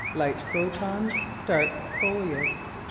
light Crotons. Dark Coleus.